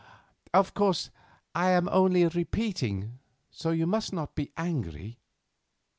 Of course, I am only repeating, so you must not be angry."